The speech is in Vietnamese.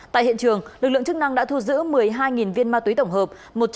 tại hiện trường lực lượng chức năng đã thu giữ một mươi hai viên ma túy tổng hợp